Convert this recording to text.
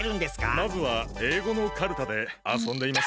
まずはえいごのかるたであそんでいます。